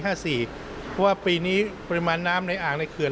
เพราะว่าปีนี้ปริมาณน้ำในอ่างในเขื่อน